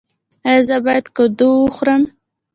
ایا زه باید کدو وخورم؟